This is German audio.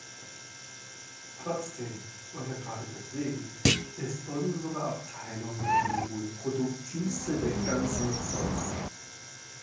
Trotzdem - oder gerade deswegen - ist unsere Abteilung die wohl produktivste der ganzen Firma.